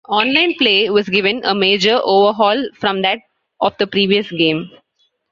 Online play was given a major overhaul from that of the previous game.